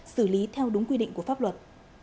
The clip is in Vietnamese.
xử lý theo đúng quy định của pháp luật